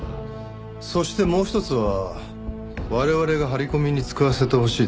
そしてもうひとつは我々が張り込みに使わせてほしいと頼んできた事。